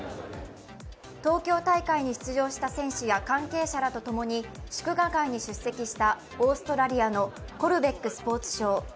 東京大会に出場した選手や関係者らと共に祝賀会に出席したオーストラリアのコルベックスポーツ相。